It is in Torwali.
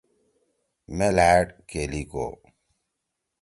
مے لھأڑ کیلی کو۔